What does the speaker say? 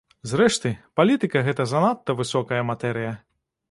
Зрэшты, палітыка гэта занадта высокая матэрыя.